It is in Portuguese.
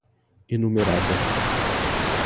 enumeradas